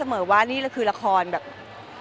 เนื้อหาดีกว่าน่ะเนื้อหาดีกว่าน่ะ